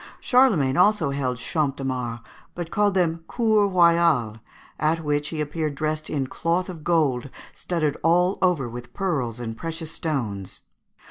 Charlemagne also held Champs de Mars, but called them Cours Royales, at which he appeared dressed in cloth of gold studded all over with pearls and precious stones.